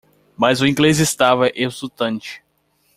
Mas o inglês estava exultante.